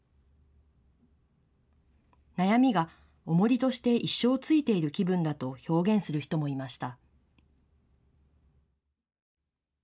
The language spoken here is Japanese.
悩みが重りとして一生ついている気分だと表現する人もいました。